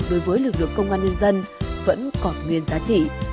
đối với lực lượng công an nhân dân vẫn còn nguyên giá trị